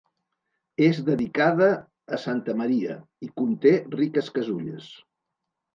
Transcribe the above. És dedicada a Santa Maria i conté riques casulles.